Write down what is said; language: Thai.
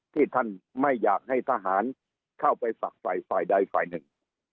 ที่ท่านไม่อยากให้ทหารเข้าไปฝักฝ่ายฝ่ายใดฝ่ายหนึ่ง